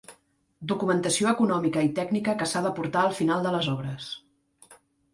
Documentació econòmica i tècnica que s'ha d'aportar al final de les obres.